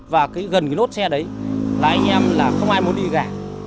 và gần cái nốt xe đấy lái anh em là không ai muốn đi gã